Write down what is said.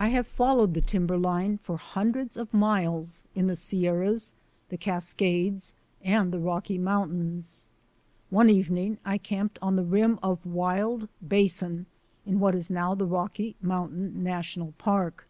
I have followed the timberline for hundreds of miles, in the Sierras, the Cascades, and the Rocky Mountains. One evening I camped on the rim of Wild Basin in what is now the Rocky Mountain National Park.